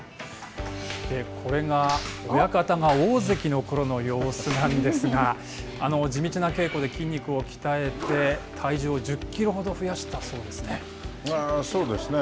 これが、親方が大関のころの様子なんですが、地道な稽古で筋肉を鍛えて、体重を１０キロほど増やしたそうですね。